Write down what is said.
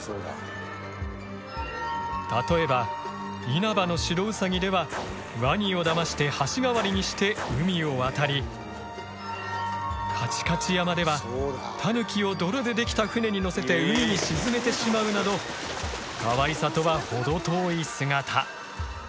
例えば「因幡の白兎」ではワニをだまして橋代わりにして海を渡り「かちかち山」ではタヌキを泥で出来た舟に乗せて海に沈めてしまうなどかわいさとは程遠い姿！